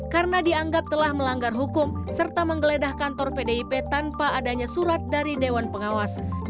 karena dianggap telah melanggar hukum serta menggeledah kantor pdip tanpa adanya surat dari dewan pengawas